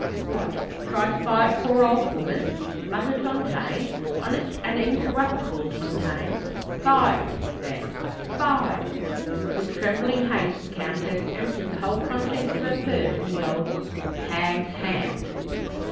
What, try to bribe a poor old woman, Mother Tontaine, honest and incorruptible Tontaine? Five, then, five!" With trembling haste the Countess emptied the whole contents of her purse in the old hag's hand.